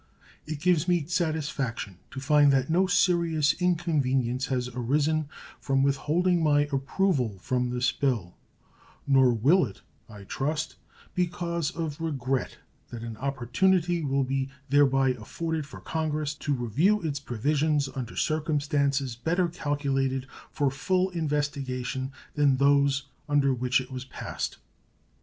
It gives me satisfaction to find that no serious inconvenience has arisen from withholding my approval from this bill; nor will it, I trust, be cause of regret that an opportunity will be thereby afforded for Congress to review its provisions under circumstances better calculated for full investigation than those under which it was passed.